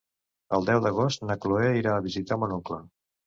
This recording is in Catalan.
El deu d'agost na Cloè irà a visitar mon oncle.